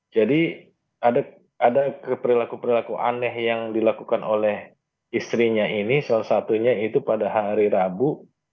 jadi ada perilaku perilaku aneh yang dilakukan oleh istrinya ini salah satunya itu pada hari rabu